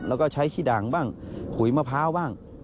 แล้วก็ใช้ขี้ด่างบ้างขุยมะพร้าวบ้าง